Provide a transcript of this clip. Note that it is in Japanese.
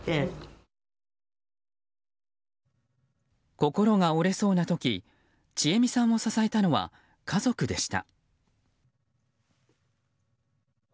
心が折れそうな時ちえみさんを支えたのは家族でした。